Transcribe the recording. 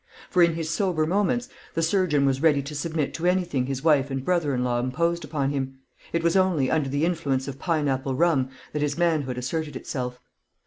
For in his sober moments the surgeon was ready to submit to anything his wife and brother in law imposed upon him; it was only under the influence of pineapple rum that his manhood asserted itself.